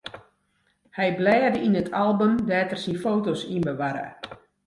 Hy blêde yn it album dêr't er syn foto's yn bewarre.